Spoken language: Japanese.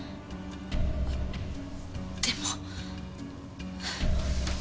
でも。